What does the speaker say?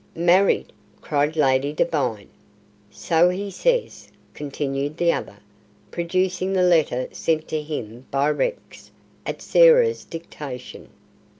"Married!" cried Lady Devine. "So he says," continued the other, producing the letter sent to him by Rex at Sarah's dictation.